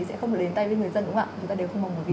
sẽ không được lên tay với người dân đúng không ạ